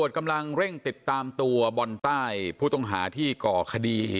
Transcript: กำลังเร่งติดตามตัวบอลใต้ผู้ต้องหาที่ก่อคดี